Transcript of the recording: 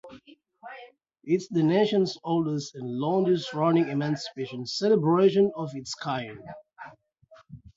It is the nation's oldest and longest running emancipation celebration of its kind.